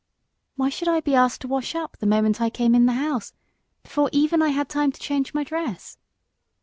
"Why should I be asked to wash up the moment I came in the house, before even I had time to change my dress."